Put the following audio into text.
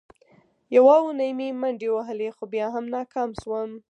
یوه اونۍ مې منډې ووهلې، خو بیا هم ناکام شوم.